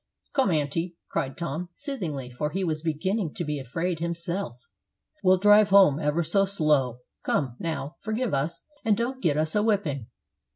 "Come, aunty," cried Tom, soothingly, for he was beginning to be afraid himself, "we'll drive home ever so slow. Come, now, forgive us, and don't get us a whipping."